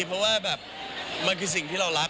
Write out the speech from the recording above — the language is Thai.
เพราะว่าแบบมันคือสิ่งที่เรารัก